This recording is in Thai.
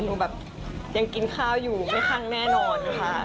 หนูแบบยังกินข้าวอยู่ไม่คั่งแน่นอนค่ะ